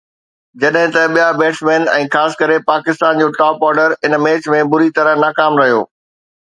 جڏهن ته ٻيا بيٽسمين ۽ خاص ڪري پاڪستان جو ٽاپ آرڊر ان ميچ ۾ بُري طرح ناڪام رهيو.